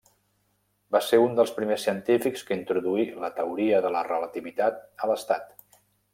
Va ser un dels primers científics que introduí la Teoria de la Relativitat a l'Estat.